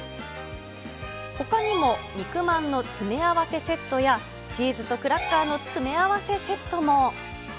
ほかにも肉まんの詰め合わせセットや、チーズとクラッカーの詰め合わせセットも。